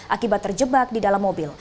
akibat terjebak di dalam mobil